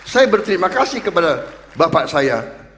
saya berterima kasih kepada bapak saya